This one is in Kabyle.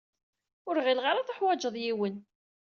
Ur ɣileɣ ara tuḥwaǧeḍ yiwen.